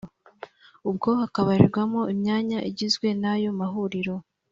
ubwo hakabarirwamo imyanya igizwe n'ayo mahuliro